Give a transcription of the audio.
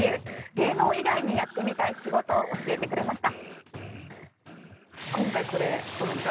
芸能以外にやってみたい仕事を教えてくれました。